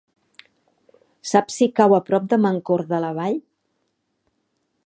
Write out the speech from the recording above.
Saps si cau a prop de Mancor de la Vall?